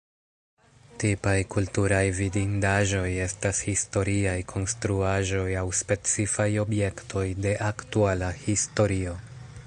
Tipaj kulturaj vidindaĵoj estas historiaj konstruaĵoj aŭ specifaj objektoj de aktuala historio.